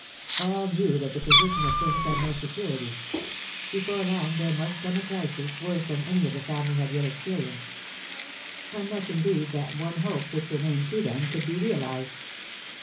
All knew that the position of things had no security; before long there must come a crisis worse than any the family had yet experienced. Unless, indeed, that one hope which remained to them could be realized.